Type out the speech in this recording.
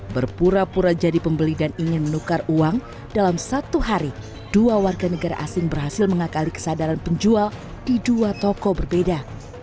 berpura pura jadi pembeli dan ingin menukar uang dalam satu hari dua warga negara asing berhasil mengakali kesadaran penjual di dua toko berbeda